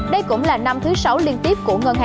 đây cũng là năm thứ sáu liên tiếp